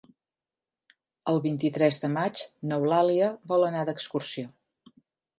El vint-i-tres de maig n'Eulàlia vol anar d'excursió.